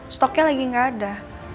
stoknya lagi gak ada